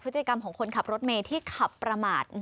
พฤติกรรมของคนขับรถเมย์ที่ขับประมาท